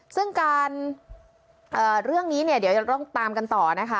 ซึ่งการเรื่องนี้เนี่ยเดี๋ยวต้องตามกันต่อนะคะ